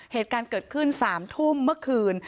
เหตุการณ์เกิดขึ้น๓ทุ่มเมื่อคืน